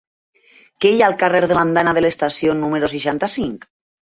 Què hi ha al carrer de l'Andana de l'Estació número seixanta-cinc?